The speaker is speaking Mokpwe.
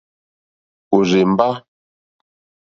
Òrzèmbá.